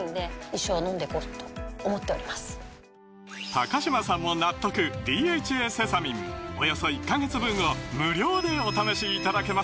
高嶋さんも納得「ＤＨＡセサミン」およそ１カ月分を無料でお試しいただけます